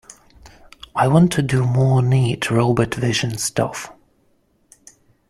I want to do more neat robot vision stuff.